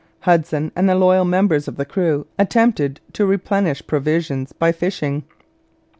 Hudson and the loyal members of the crew attempted to replenish provisions by fishing.